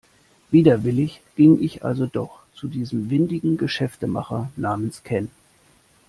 Widerwillig ging ich also doch zu diesem windigen Geschäftemacher namens Ken.